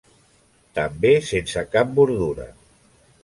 També sense cap bordura.